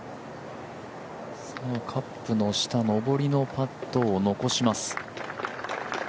カップの下、上りのパットを残します。